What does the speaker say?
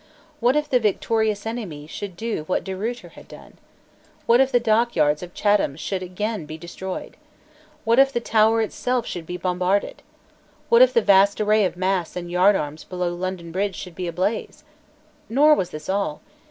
What if the victorious enemy should do what De Ruyter had done? What if the dockyards of Chatham should again be destroyed? What if the Tower itself should be bombarded? What if the vast wood of masts and yardarms below London Bridge should be in ablaze? Nor was this all.